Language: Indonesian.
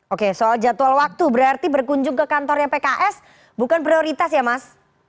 oke soal jadwal waktu berarti berkunjung ke kantornya pks bukan prioritas ya mas